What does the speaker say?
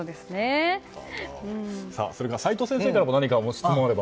それから齋藤先生からも何かご質問があれば？